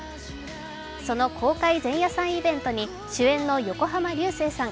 その公開前夜祭イベントに主演の横浜流星さん